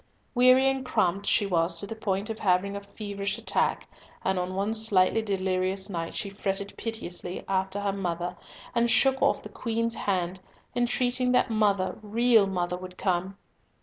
Weary and cramped she was to the point of having a feverish attack, and on one slightly delirious night she fretted piteously after "mother," and shook off the Queen's hand, entreating that "mother, real mother," would come.